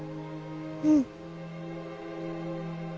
うん。